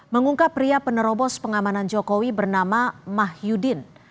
mengungkap pria penerobos pengamanan jokowi bernama mahyudin